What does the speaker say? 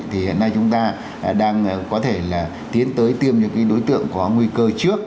thì hiện nay chúng ta đang có thể là tiến tới tiêm những đối tượng có nguy cơ trước